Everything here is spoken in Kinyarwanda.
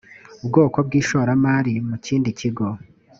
bwoko bw ishoramari mu kindi kigo